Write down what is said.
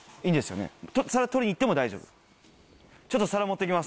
皿取りに行っても大丈夫？